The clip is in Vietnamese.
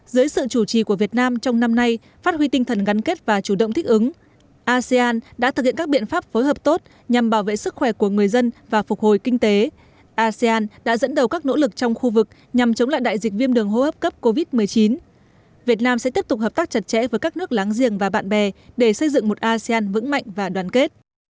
giới sự chủ trì của việt nam trong năm nay phát huy tinh thần gắn kết và chủ động thích ứng asean đã thực hiện các biện pháp phối hợp tốt nhằm bảo vệ sức khỏe của người dân và phục hồi kinh tế asean đã dẫn đầu các nỗ lực trong khu vực nhằm chống lại đại dịch viêm đường hô hấp cấp covid một mươi chín việt nam sẽ tiếp tục hợp tác chặt chẽ với các nước láng giềng và bạn bè để xây dựng một asean vững mạnh và đoàn kết